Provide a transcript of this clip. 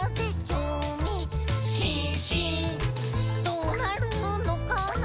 「どーなるのかな？